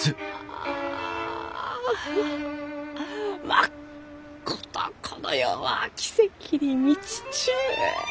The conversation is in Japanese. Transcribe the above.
まっことこの世は奇跡に満ちちゅう。